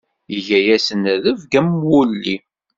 Iga-asen rebg am wulli.